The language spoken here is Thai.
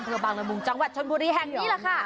เผื่อบังระมุงจังหวัดชนบุรีแห่งนี้ล่ะค่ะ